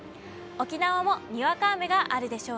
沖縄もにわか雨があるでしょう。